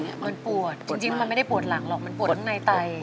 มันปวดจริงมันไม่ได้ปวดหลังหรอกมันปวดข้างในไต